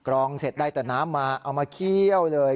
รองเสร็จได้แต่น้ำมาเอามาเคี่ยวเลย